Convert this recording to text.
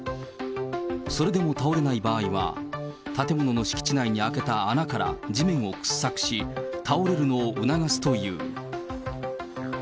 それでも倒れない場合は建物の敷地内に開けた穴から地面を掘削し、倒れるのを促すという。